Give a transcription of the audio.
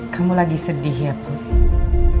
kamu lagi sedih ya putri